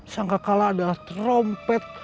sangka kalah adalah trompet